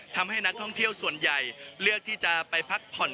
ทำให้นักท่องเที่ยวส่วนใหญ่เลือกที่จะไปพักผ่อน